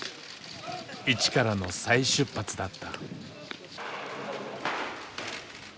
一からの再出発だった。